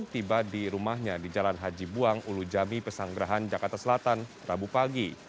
tiba di rumahnya di jalan haji buang ulu jami pesanggerahan jakarta selatan rabu pagi